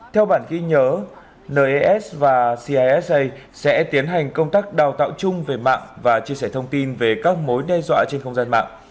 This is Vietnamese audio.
theo bản ghi nhớ nis và cisa sẽ tiến hành công tác đào tạo chung về mạng và chia sẻ thông tin về các mối đe dọa trên không gian mạng